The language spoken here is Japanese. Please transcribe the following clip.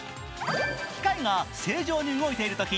機械が正常に動いているとき